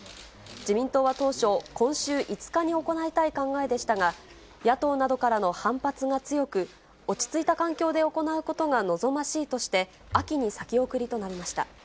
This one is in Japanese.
自民党は当初、今週５日に行いたい考えでしたが、野党などからの反発が強く、落ち着いた環境で行うことが望ましいとして、秋に先送りとなりました。